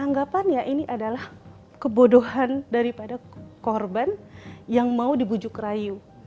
anggapannya ini adalah kebodohan daripada korban yang mau dibujuk rayu